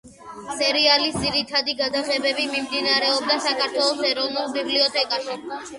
სერიალის ძირითადი გადაღებები მიმდინარეობდა საქართველოს ეროვნული ბიბლიოთეკაში.